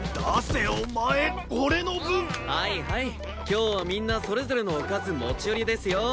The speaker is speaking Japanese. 今日はみんなそれぞれのおかず持ち寄りですよ。